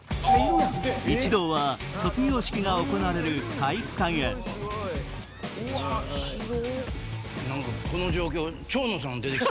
一同は卒業式が行われる体育館へ広っ！